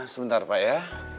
sebentar pak ya